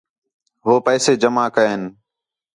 ہو پیسے جمع کئین